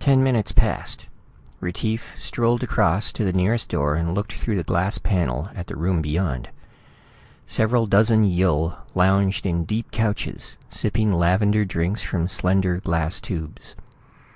Ten minutes passed. Retief strolled across to the nearest door and looked through the glass panel at the room beyond. Several dozen Yill lounged in deep couches, sipping lavender drinks from slender glass tubes.